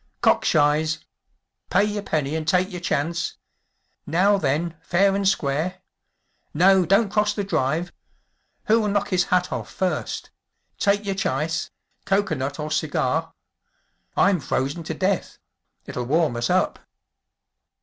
“ Cock shies ! Pay yer penny and take yer chance! Now, then, fair and square! No, don’t cross the drive. Who’ll knock his hat off first ? Take yer chice‚ÄĒcoker nut or cigar ! I’m frozen to death ! It’ll warm us up!